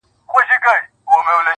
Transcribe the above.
نه تر کلي سوای چا تېل را رسولای -